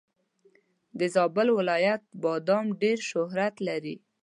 د زابل ولایت بادم ډېر شهرت لري.